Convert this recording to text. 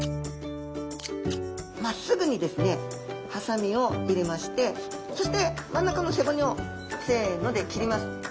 まっすぐにですねハサミを入れましてそして真ん中の背骨をせので切ります。